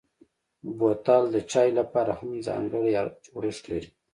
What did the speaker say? بوتل د چايو لپاره هم ځانګړی جوړښت لري.